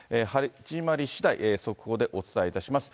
始まりしだい、速報でお伝えいたします。